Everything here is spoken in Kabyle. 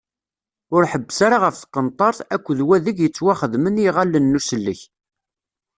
Ur ḥebbes ara ɣef tqenṭert, akked wadeg yettwaxedmen i yiɣallen n usellek.